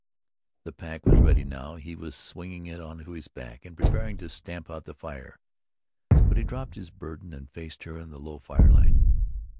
The pack was ready, now; he was swinging it to his back and preparing to stamp out the fire. But he dropped his burden and faced her in the low firelight.